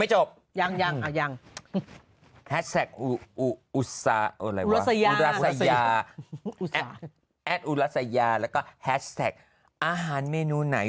ไม่จบยังยังยังแฮชแท็กอุรัสยาแล้วก็แฮชแท็กอาหารเมนูไหน